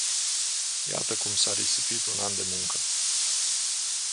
Iată cum s-a risipit un an de muncă.